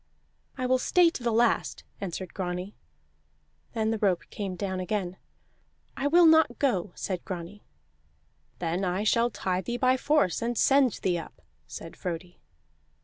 "I will stay to the last," answered Grani. Then the rope came down again. "I will not go," said Grani. "Then I shall tie thee by force, and send thee up," said Frodi.